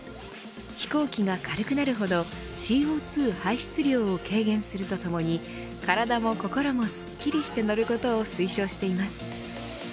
飛行機が軽くなるほどＣＯ２排出量を軽減するとともに体も心もすっきりして乗ることを推奨しています。